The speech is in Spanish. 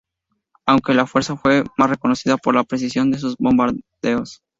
Aunque la fuerza fue más reconocida por la precisión de sus bombardeos.